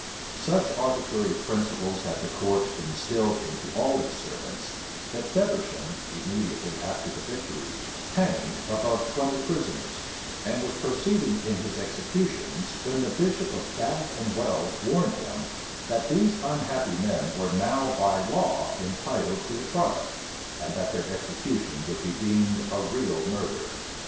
Such arbitrary principles had the court instilled into all its servants, that Feversham, immediately after the victory, hanged above twenty prisoners; and was proceeding in his executions, when the bishop of Bath and Wells warned him, that these unhappy men were now by law entitled to a trial, and that their execution would be deemed a real murder.